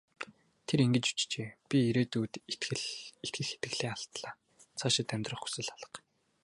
Тэр ингэж бичжээ: "Би ирээдүйд итгэх итгэлээ алдлаа. Цаашид амьдрах хүсэл алга".